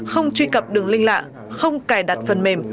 không truy cập đường link lạ không cài đặt phần mềm